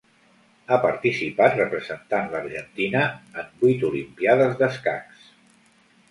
Ha participat, representant l’Argentina, en vuit olimpíades d'escacs.